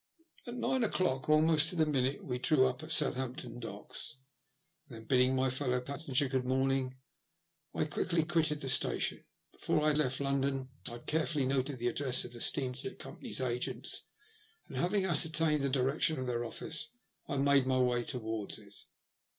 At nine o'clock almost to the minute we drew up at Southampton Docks, and then, bidding my fellow passenger good morning, I quickly quitted the station. Before I left London I had carefully noted the address of the steamship company's agents, and, having ascertained the direction of their office, I made my way towards it.